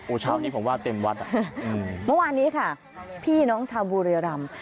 เช้านี้ผมว่าเต็มวัดอ่ะเมื่อวานนี้ค่ะพี่น้องชาวบุรีรำ